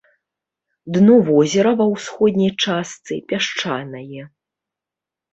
Дно возера ва ўсходняй частцы пясчанае.